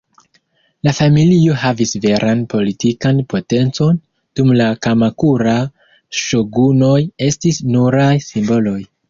La familio havis veran politikan potencon, dum la Kamakura-ŝogunoj estis nuraj simboloj.